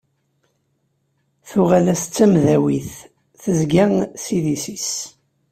Tuɣal-as d tamdawit tezga s idis-is.